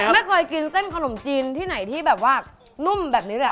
ไม่เคยกินเส้นขนมจีนที่ไหนที่แบบว่านุ่มแบบนี้เลย